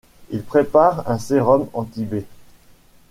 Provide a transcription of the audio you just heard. Il prepare un sérum anti-B.